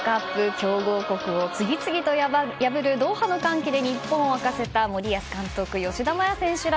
強豪国を次々と破るドーハの歓喜で日本を沸かせた森保監督と吉田麻也選手ら